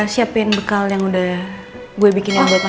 siapin bekal yang udah gue bikin yang gue pasang